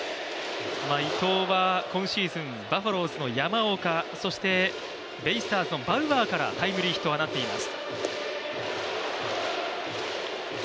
伊藤は今シーズンバファローズの山岡、そしてベイスターズのバウアーからタイムリーヒットを放っています。